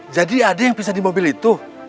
jadi ada yang pisah di mobil itu